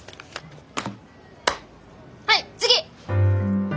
はい次。